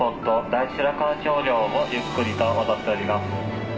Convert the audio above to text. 第一白川橋梁をゆっくりと渡っております。